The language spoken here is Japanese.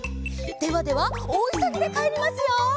「ではではおおいそぎでかえりますよ」